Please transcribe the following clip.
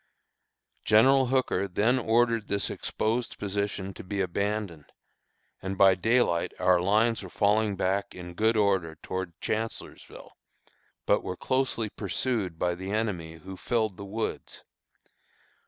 General Hooker then ordered this exposed position to be abandoned, and by daylight our lines were falling back in good order towards Chancellorsville, but were closely pursued by the enemy, who filled the woods.